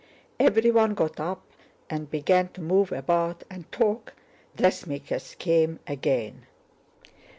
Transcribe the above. Everyone got up and began to move about and talk, dressmakers came again.